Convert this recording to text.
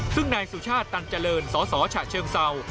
ซึ่งนายสุชาติตันเจริญสสฉะเชิงเศร้า